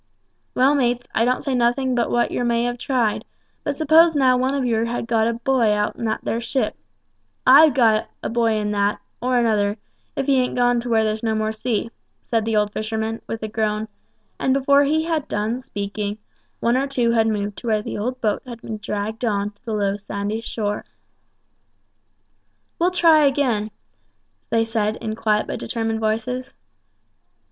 "Well, mates, I don't say nothing but what yer may have tried; but suppose now one of yer had got a boy out in that there ship I've got a boy in that, or another, if he ain't gone to where there's no more sea," said the old fisherman, with a groan; and before he had done speaking, one or two had moved to where the boat had been dragged on to the low sandy shore. "We'll try again," they said, in quiet but determined voices.